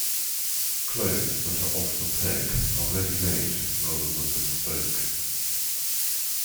Clothes that are off-the-peg are ready-made rather than bespoke